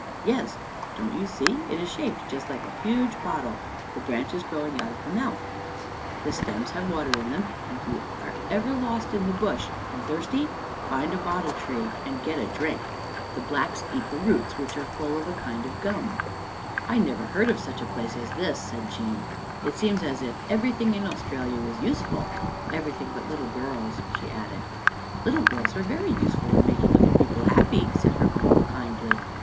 " Yes. Don't you see it is shaped just like a huge bottle, the branches growing out of the mouth ? The stems have water in them, and if you are ever lost in the Bush and thirsty, find a bottle tree and get a drink. The Blacks THAT IS THE LYRE BIRD, ISN T HE A HANDSOME FELLOW Life at Djerinallum 59 eat the roots, which are full of a kind of gum." " I never heard of such a place as this," said Jean. " It seems as if everything in Australia was useful. Everything but little girls," she added. " Little girls are very useful in making other people happy," said her uncle kindly.